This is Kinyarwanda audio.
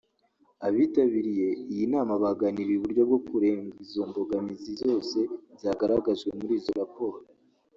Abitabiriye iyi nama baganiriye uburyo bwo kurenga izo mbogamizi zose zagaragajwe muri izo raporo